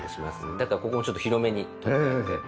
だからここもちょっと広めにとってもらって。